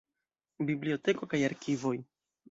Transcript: Biblioteko kaj arkivoj.